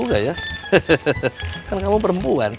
gila ya kan kamu perempuan